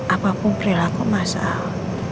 apapun perilaku mas al